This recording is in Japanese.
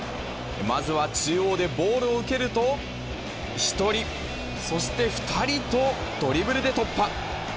まずは中央でボールを受けると、１人、そして２人とドリブルで突破。